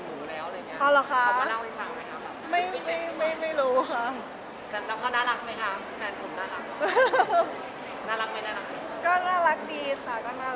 เขาหน้าเหมือนน้องหรือพี่เจ้าเวน้ำทั้งคน